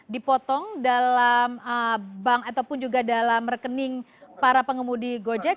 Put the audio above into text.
dipotong dalam bank ataupun juga dalam rekening para pengemudi gojek